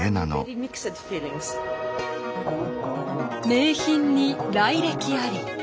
名品に来歴あり。